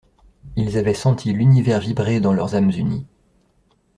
Ils avaient senti l'univers vibrer dans leurs âmes unies.